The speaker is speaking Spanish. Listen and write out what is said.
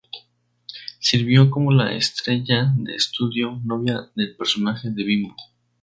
Sirvió como la estrella de estudio, "novia" del personaje de Bimbo.